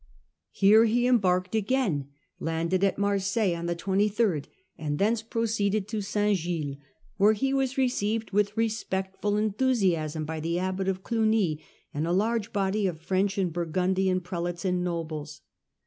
Here he embarked again, landed at Marseilles on the 23rd, and thence proceeded to St. Gilles, where he was received with respectful enthusiasm by the abbot of Clugny and a large number of French and Burgundian prelates and nobles.